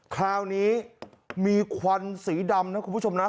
คราวนี้มีควันสีดำนะคุณผู้ชมนะ